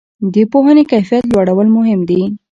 د پوهنې کیفیت لوړول مهم دي؟